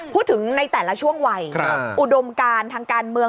พูดถึงในแต่ละช่วงวัยอุดมการทางการเมือง